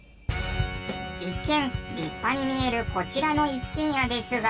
一見立派に見えるこちらの一軒家ですが。